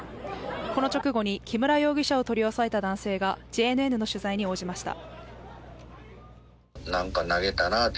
この直後に木村容疑者を取り押さえた男性がＪＮＮの取材に応じました。